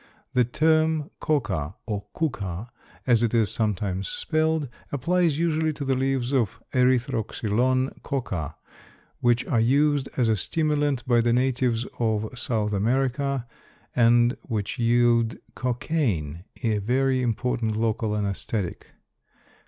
The term coca, or cuca, as it is sometimes spelled, applies usually to the leaves of Erythroxylon coca, which are used as a stimulant by the natives of South America and which yield cocaine, a very important local anæsthetic.